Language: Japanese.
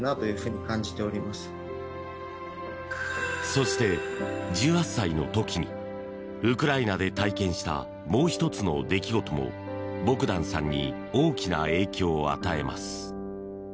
そして、１８歳の時にウクライナで体験したもう１つの出来事もボグダンさんに大きな影響を与えます。